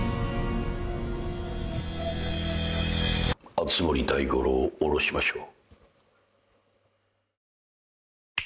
熱護大五郎を降ろしましょう。